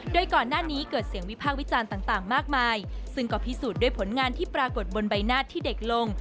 โดยก่อนหน้านี้เกิดเสียงวิพากษ์วิจารณ์ต่างมากมายซึ่งก็พิสูจน์ด้วยผลงานที่ปรากฏบนใบหน้าที่เด็กลง